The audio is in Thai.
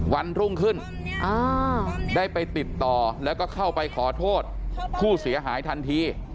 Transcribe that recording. วันรุ่งขึ้นได้ไปติดต่อแล้วก็เข้าไปขอโทษผู้เสียหายทันที